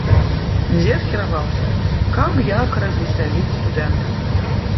Дзед кіраваўся, каб як развесяліць студэнта.